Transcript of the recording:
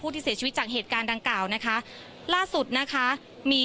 พูดสิทธิ์ข่าวธรรมดาทีวีรายงานสดจากโรงพยาบาลพระนครศรีอยุธยาครับ